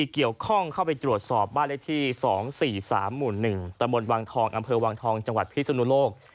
เข้าไปตรวจสอบบ้านเลขที่๒๔๓หมู่๑ตะบนวังทองอำเภอวังทองจังหวัดพิศนุโลก